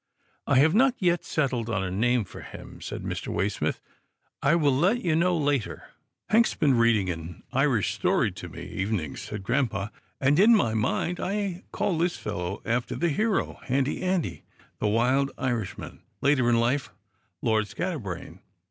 " I have not yet settled on a name for him," said Mr. Waysmith. " I will let you know later." GRAMPA'S DRIVE 141 " Hank has been reading an Irish story to me evenings," said grampa, " and in my mind I call this fellow after the hero — Handy Andy, the wild Irishman, later in life, Lord Scatterbrain."